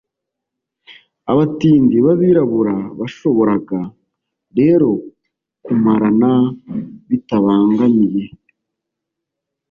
abatindi b'abirabura bashoboraga rero kumarana bitabangamiye